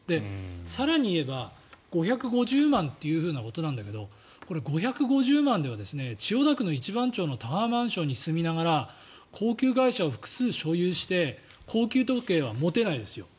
更に言えば５５０万ということなんだけど５５０万円では千代田区一番町のタワーマンションに住みながら高級外車を複数所有して高級時計は持てないですよ。